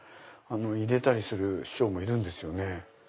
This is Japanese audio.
入れたりする師匠もいるんですよね。